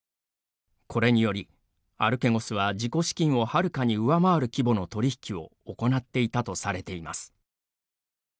これにより、アルケゴスは自己資金をはるかに上回る規模の取り引きを行っていたとされています。